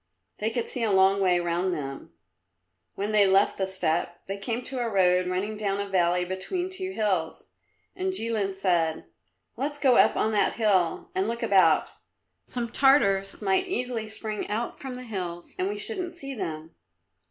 They could see a long way round them. When they left the steppe they came to a road running down a valley between two hills. And Jilin said, "Let's go up on that hill and look about; some Tartars might easily spring out from the hills and we shouldn't see them."